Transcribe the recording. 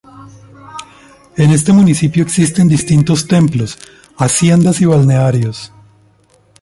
En este municipio existen distintos templos, haciendas y balnearios.